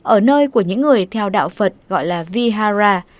ở nơi của những người theo đạo phật gọi là vihara